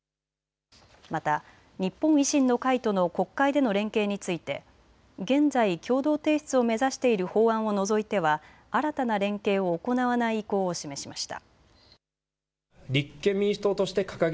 また日本維新の会との国会での連携について現在、共同提出を目指している法案を除いては新たな連携を行わない意向を示しました。